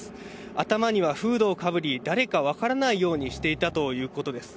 頭にフードをかぶり、誰か分からないようにしていたということです。